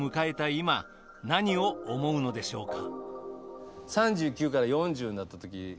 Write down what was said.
今何を思うのでしょうか。